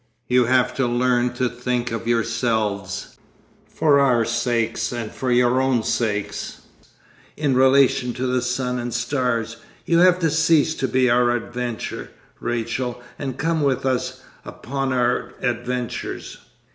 You have to learn to think of yourselves—for our sakes and your own sakes—in relation to the sun and stars. You have to cease to be our adventure, Rachel, and come with us upon our adventures.